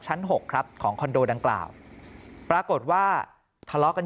หกครับของคอนโดดังกล่าวปรากฏว่าทะเลาะกัน